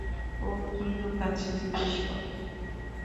ও কী লুকোচ্ছে জিজ্ঞেস কর!